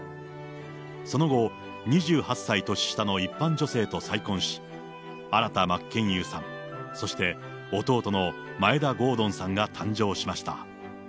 その後、２８歳年下の一般女性と再婚し、新田真剣佑さん、そして、弟の眞栄田ごうどんさんが誕生しました。